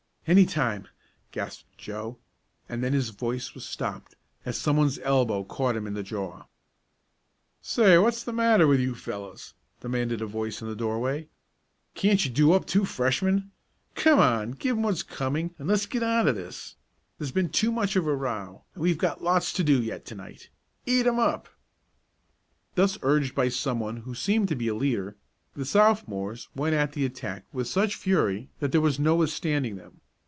"Any time," gasped Joe, and then his voice was stopped as someone's elbow caught him in the jaw. "Say, what's the matter with you fellows?" demanded a voice in the doorway. "Can't you do up two Freshmen? Come on, give 'em what's coming and let's get out of this. There's been too much of a row, and we've got lots to do yet to night. Eat 'em up!" Thus urged by someone who seemed to be a leader, the Sophomores went at the attack with such fury that there was no withstanding them.